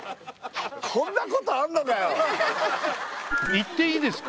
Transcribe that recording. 「行っていいですか？」